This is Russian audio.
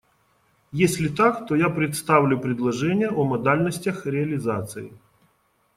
Если так, то я представлю предложение о модальностях реализации.